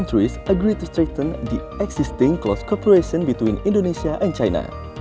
pemimpin kedua negara setuju untuk menekan korporasi yang terdekat antara indonesia dan china